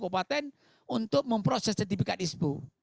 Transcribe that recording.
kabupaten untuk memproses sertifikat ispu